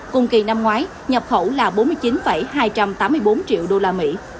cùng kỳ năm ngoái nhập khẩu là bốn mươi chín hai trăm tám mươi bốn triệu đô la mỹ